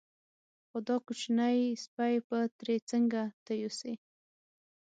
خو دا کوچنی سپی به ترې څنګه ته یوسې.